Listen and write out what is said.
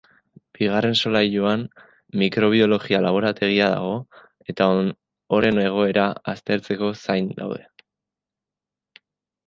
Bigarren solairuan mikrobiologia-laborategia dago, eta horren egoera aztertzeko zain daude.